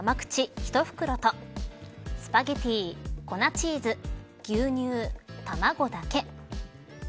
１袋とスパゲティ、粉チーズ牛乳、卵だけ。